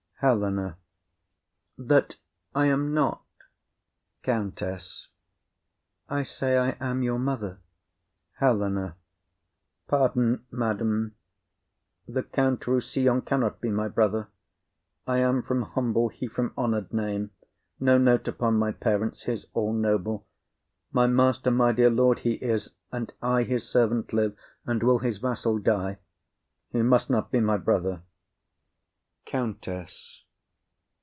HELENA. That I am not. COUNTESS. I say, I am your mother. HELENA. Pardon, madam; The Count Rossillon cannot be my brother. I am from humble, he from honoured name; No note upon my parents, his all noble, My master, my dear lord he is; and I His servant live, and will his vassal die. He must not be my brother. COUNTESS.